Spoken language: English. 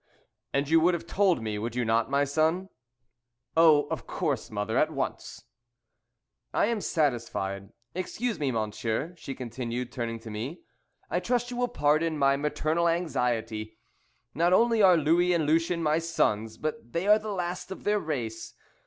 "And you would have told me, would you not, my son?" "Oh, of course, mother, at once." "I am satisfied. Excuse me, monsieur," she continued, turning to me, "I trust you will pardon my maternal anxiety. Not only are Louis and Lucien my sons, but they are the last of their race.